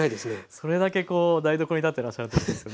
それだけこう台所に立ってらっしゃるってことですよね。